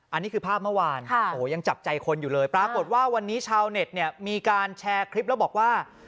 อันนี้คือภาพเมื่อวานยังจับใจคนอยู่เลยปรากฏว่าวันนี้ชาวเน็ตเนี่ยมีการแชร์คลิปแล้วบอกว่า